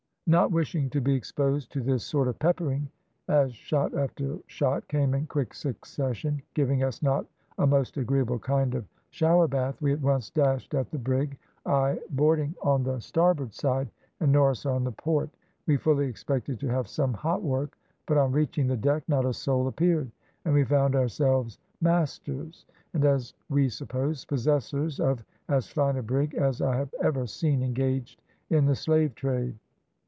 Not wishing to be exposed to this sort of peppering, as shot after shot came in quick succession, giving us not a most agreeable kind of shower bath, we at once dashed at the brig, I boarding on the starboard side, and Norris on the port. We fully expected to have some hot work, but on reaching the deck, not a soul appeared, and we found ourselves masters and, as we supposed, possessors of as fine a brig as I have ever seen engaged in the slave trade.